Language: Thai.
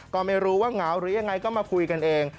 ก็ไม่รู้ว่าเหงาหรือยังไงก็มาคุยกันเอง